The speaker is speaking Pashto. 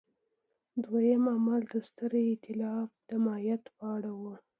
دویم عامل د ستر اېتلاف د ماهیت په اړه و.